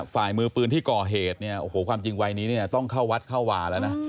ฝ่ายมือปืนที่ก่อเหตุความจริงวัยนี้นี้จะต้องเข้าวัดเข้าว่านะ